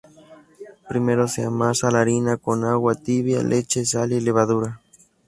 Primero se amasa la harina con agua tibia, leche, sal y levadura.